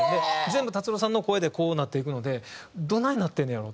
全部達郎さんの声でこうなっていくのでどないなってんねやろ？